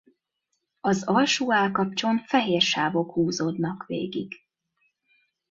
Az alsó állkapcson fehér sávok húzódnak végig.